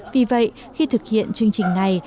vì vậy khi thực hiện chương trình này